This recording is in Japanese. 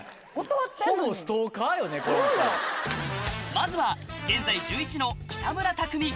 まずは現在１１の北村匠海